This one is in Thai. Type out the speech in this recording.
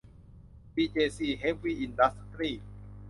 บีเจซี เฮฟวี่ อินดัสทรี